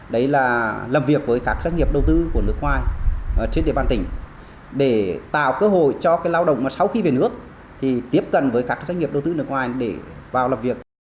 đấy là làm việc với các doanh nghiệp đầu tư của nước ngoài trên địa bàn tỉnh để tạo cơ hội cho cái lao động mà sau khi về nước thì tiếp cận với các doanh nghiệp đầu tư nước ngoài để vào làm việc